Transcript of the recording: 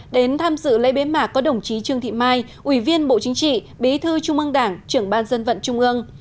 đến tham dự lễ bế mạc có đồng chí trương thị mai ủy viên bộ chính trị bí thư trung ương đảng trưởng ban dân vận trung ương